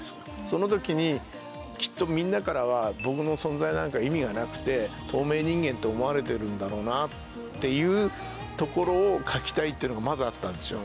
その時にきっとみんなからは僕の存在なんか意味がなくて透明人間と思われてるんだろうなっていうところを書きたいっていうのがまずあったんですよ。